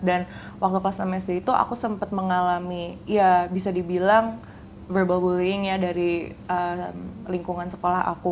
dan waktu kelas enam sd itu aku sempat mengalami ya bisa dibilang verbal bullying ya dari lingkungan sekolah aku